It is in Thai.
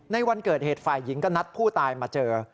ในวันเกิดเหตุฝ่ายหญิงก็นัดผู้ตายมาเจอ